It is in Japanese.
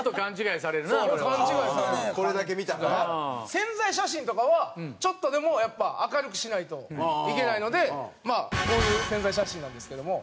宣材写真とかはちょっとでも明るくしないといけないのでこういう宣材写真なんですけども。